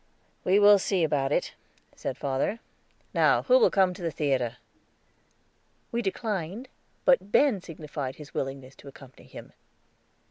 "We will see about it," said father. "Now who will go to the theater?" We declined, but Ben signified his willingness to accompany him.